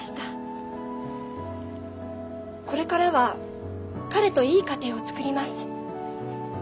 これからは彼といい家庭をつくります。